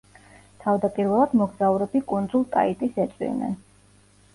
თავდაპირველად მოგზაურები კუნძულ ტაიტის ეწვივნენ.